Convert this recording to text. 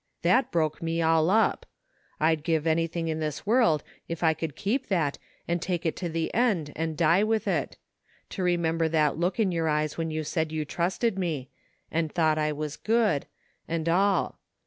That broke me all up! I'd give anjrthing in this world if I could keep that and take it to the end and die with it — ^to remember that look in your eyes when you said you trusted me — and thought I was good — and all.